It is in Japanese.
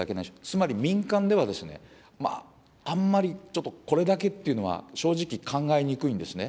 つまり民間ではですね、まあ、あんまりちょっと、これだけっていうのは正直考えにくいんですね。